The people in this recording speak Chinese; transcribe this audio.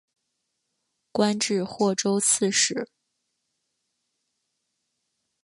官至霍州刺史。